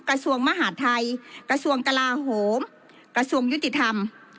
กระทรวงมหาดไทยกระทรวงกลาโหมกระทรวงยุติธรรม